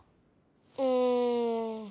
うん。